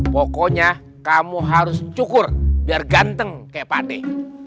pokoknya kamu harus cukur biar ganteng kayak pak deh